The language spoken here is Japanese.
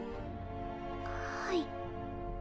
はい。